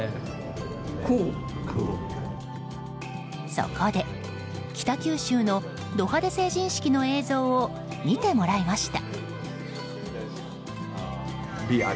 そこで、北九州のド派手成人式の映像を見てもらいました。